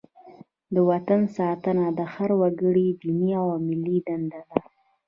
د وطن ساتنه د هر وګړي دیني او ملي دنده ده.